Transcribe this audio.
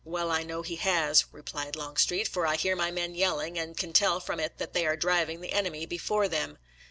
" Well, I know he has," replied Longstreet, " for I hear my men yelling, and can tell from it that they are driving the enemy before them."